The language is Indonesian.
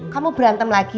kamu berantem lagi